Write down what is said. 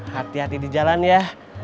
hati hati di jalan ya